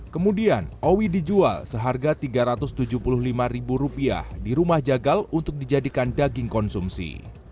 kemudian owi dijual seharga rp tiga ratus tujuh puluh lima di rumah jagal untuk dijadikan daging konsumsi